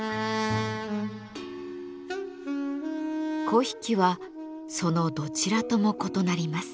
粉引はそのどちらとも異なります。